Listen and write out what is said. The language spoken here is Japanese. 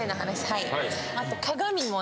はい。